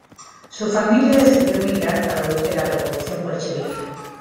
Su familia decidió emigrar para huir de la Revolución bolchevique.